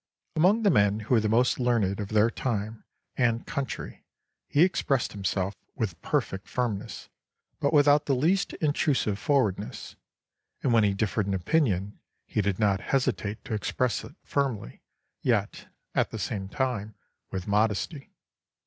Among the men who were the most learned of their time and country, he expressed himself with perfect firmness, but without the least intrusive forwardness; and when he differed in opinion, he did not hesitate to express it firmly, yet, at the same time, with modesty.